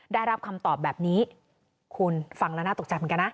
ได้รับคำตอบแบบนี้คุณฟังแล้วน่าตกใจเหมือนกันนะ